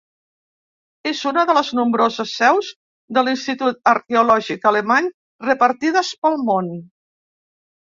És una de les nombroses seus de l'Institut Arqueològic Alemany repartides pel món.